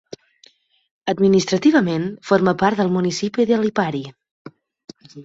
Administrativament, forma part del municipi de Lipari.